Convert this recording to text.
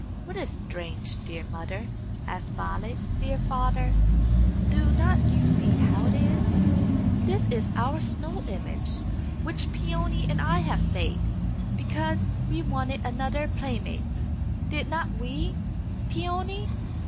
"What is strange, dear mother?" asked Violet. "Dear father, do not you see how it is? This is our snow image, which Peony and I have made, because we wanted another playmate. Did not we, Peony?"